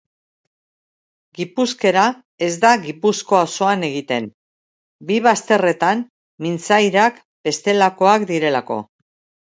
Gipuzkera ez da Gipuzkoa osoan egiten, bi bazterretan mintzairak bestelakoak direlako.